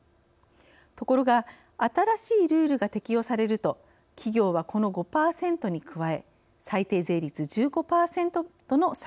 ところが新しいルールが適用されると企業は、この５％に加え最低税率１５％との差。